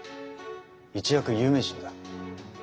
一躍有名人だ。